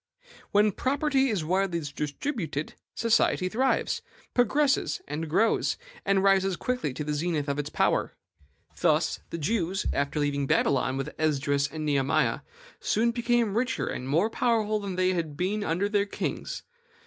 When property is widely distributed, society thrives, progresses, grows, and rises quickly to the zenith of its power. Thus, the Jews, after leaving Babylon with Esdras and Nehemiah, soon became richer and more powerful than they had been under their kings.